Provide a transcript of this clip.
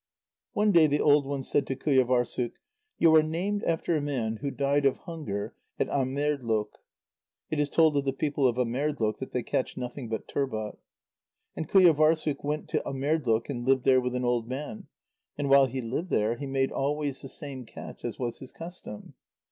One day the old one said to Qujâvârssuk: "You are named after a man who died of hunger at Amerdloq." It is told of the people of Amerdloq that they catch nothing but turbot. And Qujâvârssuk went to Amerdloq and lived there with an old man, and while he lived there, he made always the same catch as was his custom.